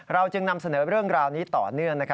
เราจึงนำเสนอเรื่องราวนี้ต่อเนื่อง